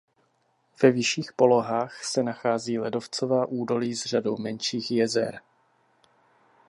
Ve vyšších polohách se nachází ledovcová údolí s řadou menších jezer.